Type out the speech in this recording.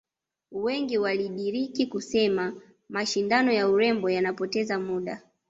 Wengi walidiriki kusema mashindano ya urembo yanapoteza muda